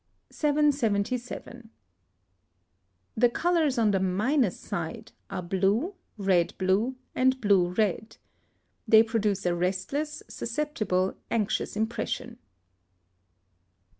777. The colours on the minus side are blue, red blue, and blue red. They produce a restless, susceptible, anxious impression.